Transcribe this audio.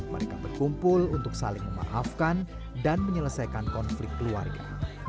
mereka berkumpul untuk saling memaafkan dan menyelesaikan konflik keluarga